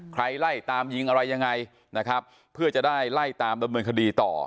ไล่ตามยิงอะไรยังไงนะครับเพื่อจะได้ไล่ตามดำเนินคดีต่อ